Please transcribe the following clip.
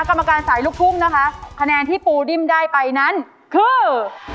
กรรมการสายลูกทุ่งนะคะคะแนนที่ปูดิ้มได้ไปนั้นคือ